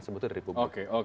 sebetulnya dari bubu